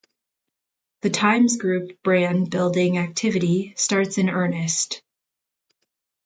The Times Group brand building activity starts in earnest.